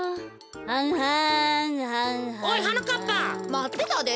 まってたで。